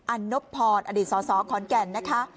อันนบพรอดีตสอขอนแก่น